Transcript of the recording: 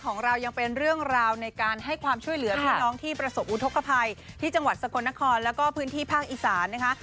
หรือเราในการให้ความช่วยเหลือพี่ยอมที่ประสบอุทธกภัยที่แบบสงบคหลักฮลและก็พื้นที่ภาคอิศรรย์นะคะ